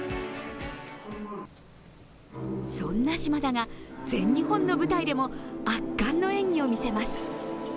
そんな島田が全日本の舞台でも圧巻の演技を見せます。